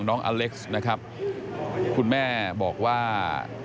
พบหน้าลูกแบบเป็นร่างไร้วิญญาณ